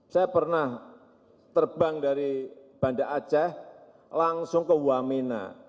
saya pernah terbang dari banda aceh langsung ke wamena